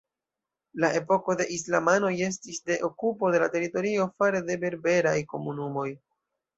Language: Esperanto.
La epoko de islamanoj estis de okupo de la teritorio fare de berberaj komunumoj.